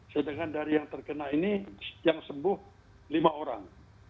sedangkan dari yang terkena ini yang sembuh lima orang